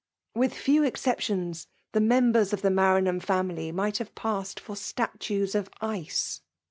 With few exceptions, the members of the Maranham family might have passed iosr statues of ice.